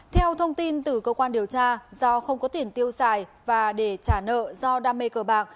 theo thông tin từ cơ quan điều tra do không có tiền tiêu xài và để trả nợ do đam mê cờ bạc